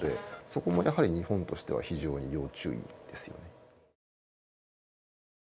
そこも日本としては非常に要注意ですよね。